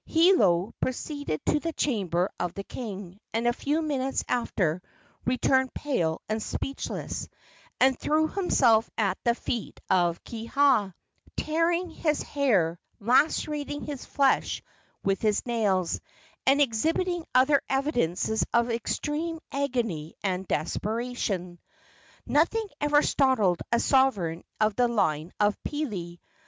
Hiolo proceeded to the chamber of the king, and a few minutes after returned pale and speechless, and threw himself at the feet of Kiha, tearing his hair, lacerating his flesh with his nails, and exhibiting other evidences of extreme agony and desperation. Nothing ever startled a sovereign of the line of Pili.